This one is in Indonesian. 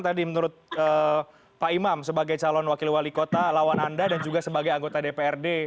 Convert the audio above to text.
tadi menurut pak imam sebagai calon wakil wali kota lawan anda dan juga sebagai anggota dprd